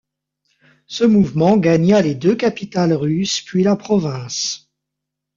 Ce mouvement gagna les deux capitales russes puis la province.